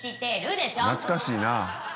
懐かしいな。